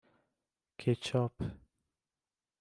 کچاپ